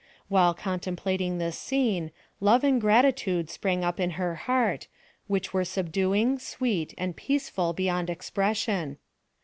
While contemplating this scene, love and gratitude sprang up in her heart, which were subduing, sweety and peaceful beyond expression